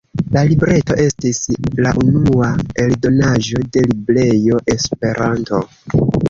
La libreto estis la unua eldonaĵo de librejo “Esperanto”.